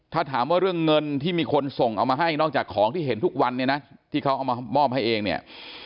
ถ้าถามว่าเรื่องเงินที่มีคนส่งเอามาให้นอกจากของที่เห็นทุกวันเนี่ยนะที่เขาเอามามอบให้เองเนี่ย